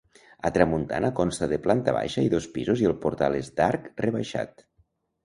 A tramuntana consta de planta baixa i dos pisos i el portal és d'arc rebaixat.